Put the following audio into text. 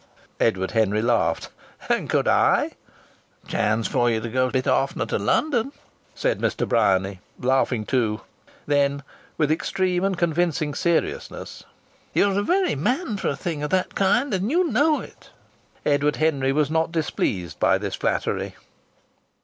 Edward Henry laughed: "And could I?" "Chance for you to go a bit oftener to London," said Mr. Bryany, laughing too. Then, with extreme and convincing seriousness, "You're the very man for a thing of that kind. And you know it!" Edward Henry was not displeased by this flattery.